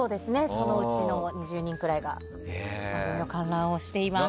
そのうちの２０人ぐらいが観覧しています。